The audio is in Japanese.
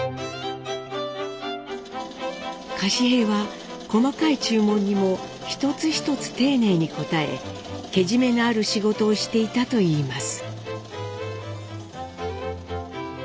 柏平は細かい注文にも一つ一つ丁寧に応えけじめのある仕事をしていたといいます。